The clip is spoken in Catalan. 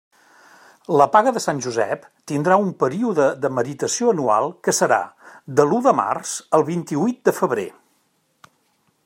La paga de Sant Josep tindrà un període de meritació anual, que serà de l'u de març al vint-i-huit de febrer.